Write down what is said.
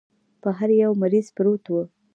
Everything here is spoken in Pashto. پر هر يوه مريض پروت و.